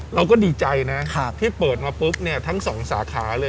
เราก็ดีใจนะที่เปิดมาปุ๊บทั้ง๒สาขาเลย